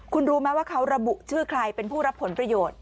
คุณรู้ไหมว่าเขาระบุชื่อใครเป็นผู้รับผลประโยชน์